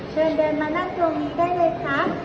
เชิญเดินมานั่งตรงนี้ได้เลยค่ะ